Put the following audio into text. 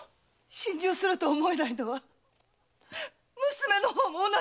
心中すると思えないのは娘の方も同じでございます！